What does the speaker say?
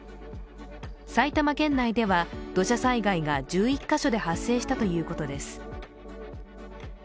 埼玉県内では土砂災害が１１カ所で発生したということです。